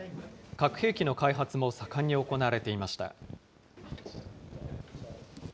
核兵器の開発も盛んに行われていました。